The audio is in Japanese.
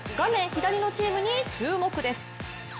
左のチームに注目です。